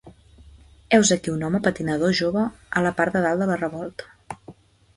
Heus aquí un home patinador jove a la part de dalt de la revolta